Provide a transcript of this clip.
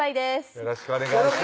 よろしくお願いします